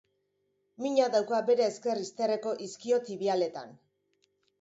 Mina dauka bere ezker izterreko iskiotibialetan.